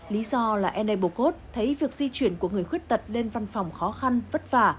lý do là enablecode thấy việc di chuyển của người khuyết tật lên văn phòng khó khăn vất vả